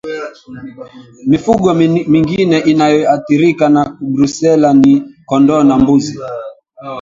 Mifugo mingine inayoathirika na Brusela ni kondoo na mbuzi